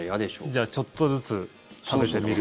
じゃあちょっとずつ食べてみる。